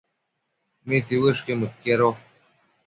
¿mitsiuëshquio mëquiado?